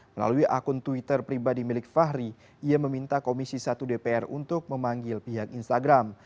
melalui akun twitter pribadi milik fahri ia meminta komisi satu dpr untuk memanggil pihak instagram